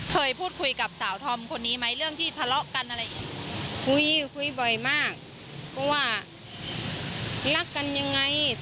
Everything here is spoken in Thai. เคยพูดคุยกับสาวทอมคนนี้ไหมเรื่องที่ทะเลาะกันอะไรอีก